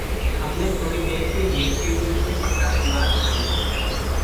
हमने थोड़ी देर के लिए एक-दूसरे के साथ बात करी।